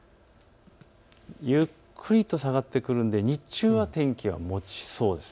ゆっくりと下がってくるので日中は天気がもちそうです。